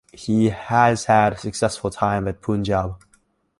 He has had a successful time at Punjab.